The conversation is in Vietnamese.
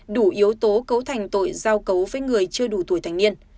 đủ yếu tố cấu thành tội giao cấu với người chưa đủ tuổi thành niên